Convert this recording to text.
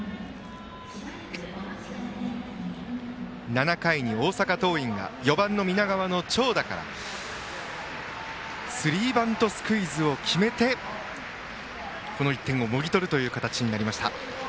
７回に大阪桐蔭が４番の南川の長打からスリーバントスクイズを決めてこの１点をもぎ取る形でした。